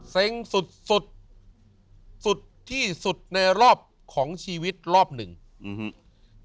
เส้งสุดสุดสุดที่สุดในรอบของชีวิตรอบหนึ่งอื้อฮื่อ